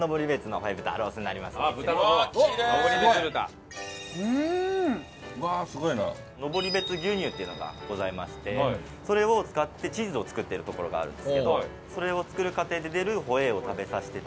のぼりべつ牛乳っていうのがございましてそれを使ってチーズを作ってるところがあるんですけどそれを作る過程で出るホエーを食べさせてて。